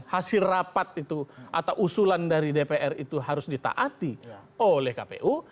hasil rapat itu atau usulan dari dpr itu harus ditaati oleh kpu